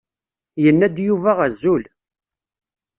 Yenna-d Yuba azul.